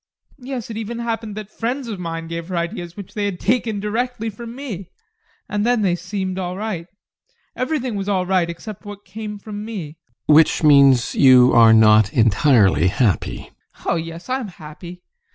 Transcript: Yes, it even happened that friends of mine gave her ideas which they had taken directly from me, and then they seemed all right. Everything was all right except what came from me. GUSTAV. Which means that you are not entirely happy? ADOLPH. Oh yes, I am happy.